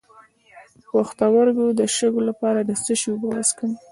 د پښتورګو د شګو لپاره د څه شي اوبه وڅښم؟